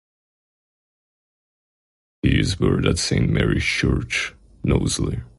He is buried at Saint Mary's Church, Knowsley.